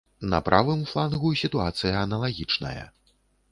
На правым флангу сітуацыя аналагічная.